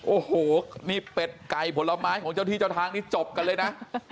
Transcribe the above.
โอ้โหนี่เป็ดไก่ผลไม้ของเจ้าที่เจ้าทางนี้จบกันเลยนะ